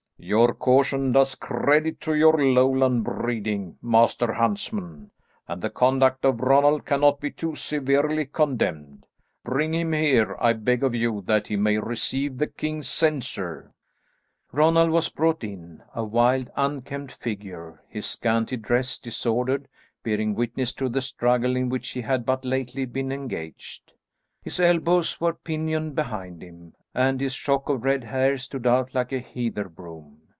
"Your caution does credit to your Lowland breeding, Master huntsman, and the conduct of Ronald cannot be too severely condemned. Bring him here, I beg of you, that he may receive the king's censure." Ronald was brought in, a wild, unkempt figure, his scanty dress disordered, bearing witness to the struggle in which he had but lately been engaged. His elbows were pinioned behind him, and his shock of red hair stood out like a heather broom.